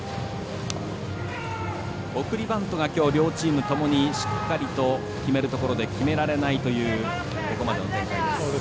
送りバントがきょう両チームともにしっかりと決めるところで決められないというここまでの展開です。